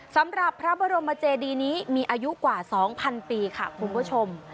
สำหรับพระบรมเจดีนี้มีอายุกว่า๒๐๐๐ปีค่ะคุณผู้ชม